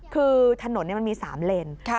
คือถนนนี่มันมี๓เลนท์